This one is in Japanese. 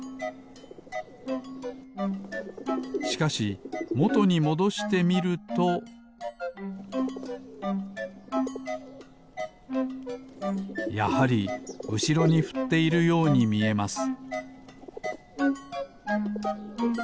しかしもとにもどしてみるとやはりうしろにふっているようにみえます